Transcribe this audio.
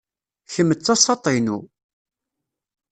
Kemm d tasaḍt-inu.